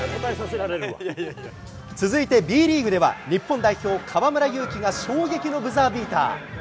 続いてＢリーグでは、日本代表、河村勇輝が衝撃のブザービーター。